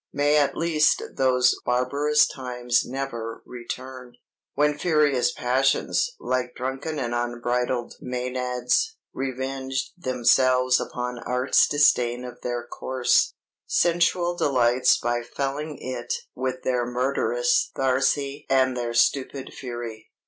May at least those barbarous times never return, when furious passions, like drunken and unbridled mænads, revenged themselves upon art's disdain of their coarse, sensual delights by felling it with their murderous thyrsi and their stupid fury.